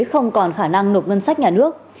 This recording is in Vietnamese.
không còn khả năng nộp ngân sách nhà nước